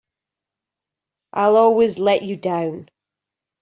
I'll always let you down!